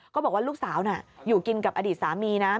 ก็บอกว่าลูกสาวน่ะอยู่กินกับอดีตสามีนะ